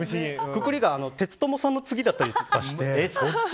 くくりがテツａｎｄトモさんの次だったりとかして。